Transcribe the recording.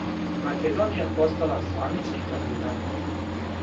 Македонија је постала званични кандидат.